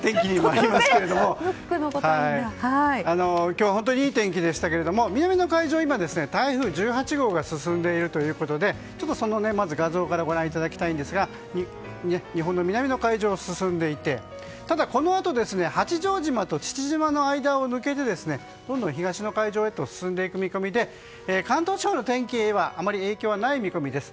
今日は本当にいい天気でしたけど南の海上で今、台風１８号が進んでいるということでその画像からご覧いただきたいんですが日本の南の海上を進んでいてこのあと八丈島と父島の間を抜けてどんどん東の海上へと進んでいく見込みで関東地方の天気へはあまり影響はない見込みです。